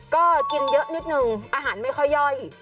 ก็กินเยอะนิดนึงอาหารไม่ค่อยย่อย